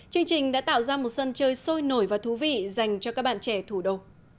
chương trình đã tạo ra một sân chơi sôi nổi và thú vị dành cho các bạn trẻ thủ đô